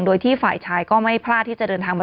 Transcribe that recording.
โดยที่ฝ่ายชายก็ไม่พลาดที่จะเดินทางมา